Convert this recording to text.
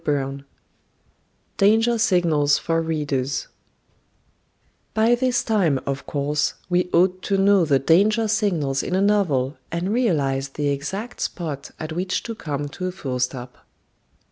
XXXVII DANGER SIGNALS FOR READERS By this time, of course, we ought to know the danger signals in a novel and realize the exact spot at which to come to a full stop.